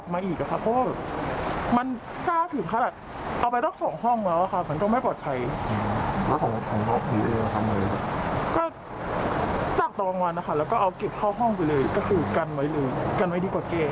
ไม่อยากปากผ้าไม่อยากปากผ้าไม่อยากเอาไปไหน